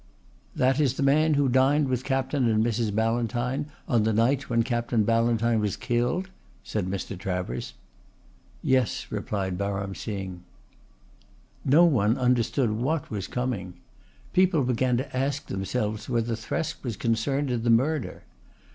"That is the man who dined with Captain and Mrs. Ballantyne on the night when Captain Ballantyne was killed?" said Mr. Travers. "Yes," replied Baram Singh. No one understood what was coming. People began to ask themselves whether Thresk was concerned in the murder.